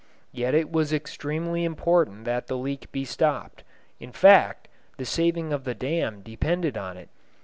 Yet it was extremely important that the leak be stopped in fact, the saving of the dam depended on it.